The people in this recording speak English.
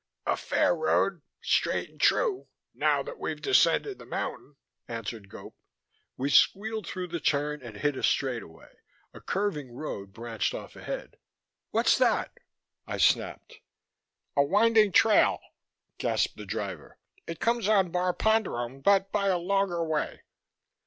"A fair road, straight and true, now that we've descended the mountain," answered Gope. We squealed through the turn and hit a straightaway. A curving road branched off ahead. "What's that?" I snapped. "A winding trail," gasped the driver. "It comes on Bar Ponderone, but by a longer way."